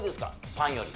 パンより。